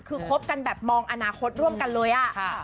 คือคบกันแบบมองอนาคตร่วมกันเลยอะ